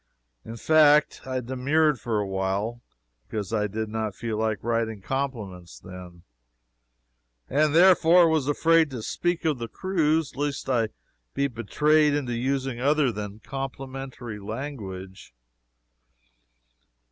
In fact, I demurred for a while, because I did not feel like writing compliments then, and therefore was afraid to speak of the cruise lest I might be betrayed into using other than complimentary language.